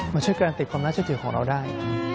มันช่วยการติดความร่าชะเจียวของเราได้